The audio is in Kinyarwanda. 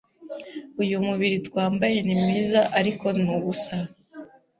uyu mubiri twambaye ni mwiza ariko ni ubusa